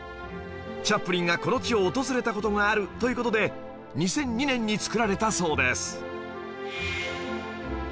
チャップリンがこの地を訪れた事があるという事で２００２年に作られたそうです